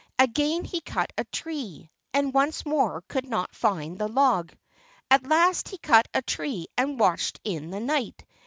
Again he cut a tree, and once more could not find the log. At last he cut a tree and watched in the night.